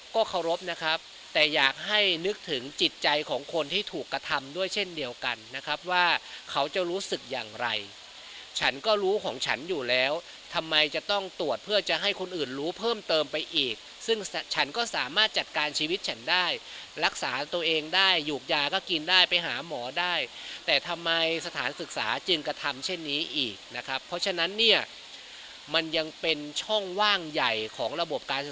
ก็เคารพนะครับแต่อยากให้นึกถึงจิตใจของคนที่ถูกกระทำด้วยเช่นเดียวกันนะครับว่าเขาจะรู้สึกอย่างไรฉันก็รู้ของฉันอยู่แล้วทำไมจะต้องตรวจเพื่อจะให้คนอื่นรู้เพิ่มเติมไปอีกซึ่งฉันก็สามารถจัดการชีวิตฉันได้รักษาตัวเองได้หยูกยาก็กินได้ไปหาหมอได้แต่ทำไมสถานศึกษาจึงกระทำเช่นนี้อีกนะครับเพราะฉะนั้นเนี่ยมันยังเป็นช่องว่างใหญ่ของระบบการ